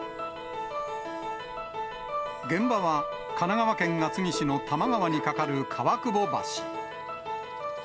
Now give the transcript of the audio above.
現場は、神奈川県厚木市の玉川に架かる川久保橋。